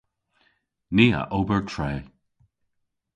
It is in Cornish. Ni a ober tre.